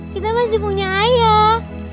kita masih punya ayah